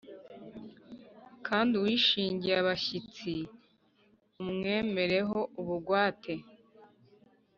kandi uwishingiye abashyitsi umwemere ho ubugwate